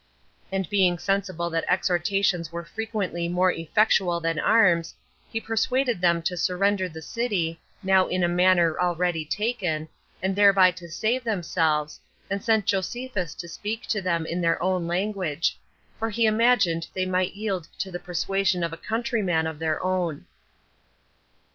And being sensible that exhortations are frequently more effectual than arms, he persuaded them to surrender the city, now in a manner already taken, and thereby to save themselves, and sent Josephus to speak to them in their own language; for he imagined they might yield to the persuasion of a countryman of their own.